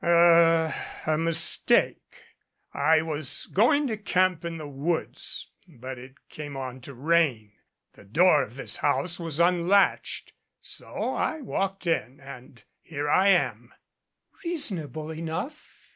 "Er a mistake. I was going to camp in the woods, but it came on to rain. The door of this house was un latched. So I walked in and here I am." "Reasonable enough.